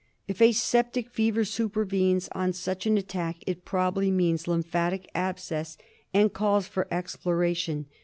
If a septic fever supervenes on such an attack it probably means lymphatic abscess, and calls for operation.